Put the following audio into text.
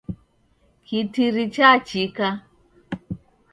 Kitiri chachika.